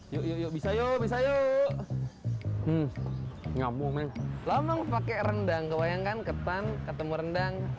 yoyo bisa yo bisa yo ngamung lamang pakai rendang kebayangkan ketan ketemu rendang